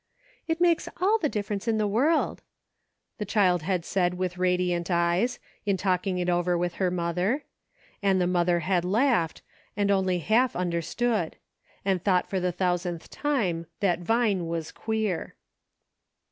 " It makes all the difference in the world," the child had said with radiant eyes, in talking it over with her mother. And the mother had laughed, and only half understood ; and thought for the thousandth time that Vine was "queer."